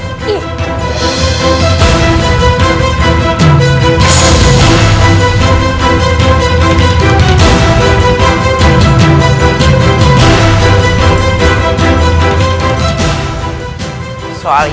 aku akan melakan abangu recon di sini